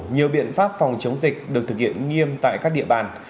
nhiều biện pháp phòng chống dịch được thực hiện nghiêm tại các địa bàn